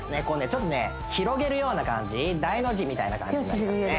ちょっとね広げるような感じ大の字みたいな感じになりますね